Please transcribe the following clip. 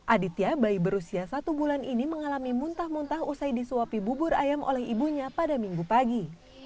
aditya bayi berusia satu bulan ini mengalami muntah muntah usai disuapi bubur ayam oleh ibunya pada minggu pagi